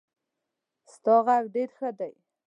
ستا غږ ډېر ښه دی.